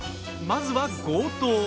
まずは強盗。